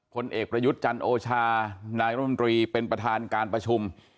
ผลเอกประยุทธ์จันโอชานายรมตรีเป็นประธานการประชุม